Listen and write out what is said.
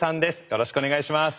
よろしくお願いします。